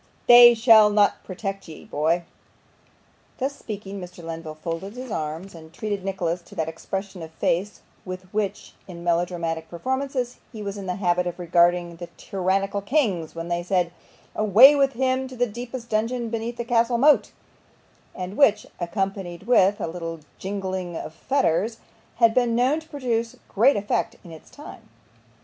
'They shall not protect ye boy!' Thus speaking, Mr. Lenville folded his arms, and treated Nicholas to that expression of face with which, in melodramatic performances, he was in the habit of regarding the tyrannical kings when they said, 'Away with him to the deepest dungeon beneath the castle moat;' and which, accompanied with a little jingling of fetters, had been known to produce great effects in its time.